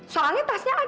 soalnya tasnya ada